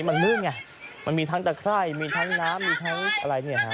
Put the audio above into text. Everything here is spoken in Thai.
มันมืดไงมันมีทั้งตะไคร่มีทั้งน้ำมีทั้งอะไรเนี่ยฮะ